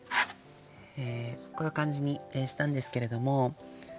こういう感じにしたんですけれども。